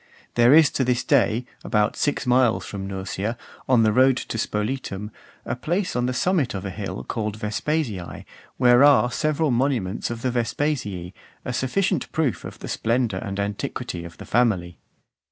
There is to this day, about six miles from Nursia, on the road to Spoletum, a place on the summit of a hill, called Vespasiae, where are several monuments of the Vespasii, a sufficient proof of the splendour and antiquity of the family.